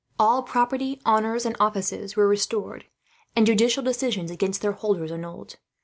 All property, honours, and offices were restored, and judicial decisions against their holders annulled.